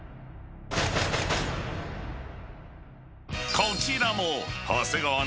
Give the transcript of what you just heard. ［こちらも］